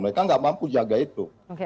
mereka nggak mampu jaga itu